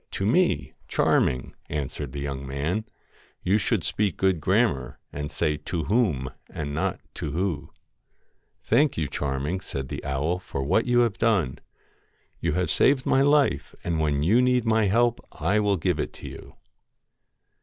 To me, THE FAIR Charming,' answered the young man :* you should MAID speak good grammar, and say To whom and not GOLDEN To who.' LOCKS 'Thank you, Charming,' said the owl, 'for what you have done. You have saved my life, and when you need my help I will give it you.'